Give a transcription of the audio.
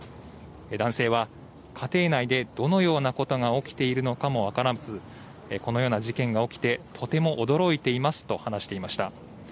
男性は家庭内でどのようなことが起きているのかも分からずこのような事件が起きてとても驚いていますと話していました。